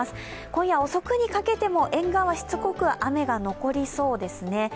今夜遅くにかけても沿岸はしつこく雨が残りそうですね。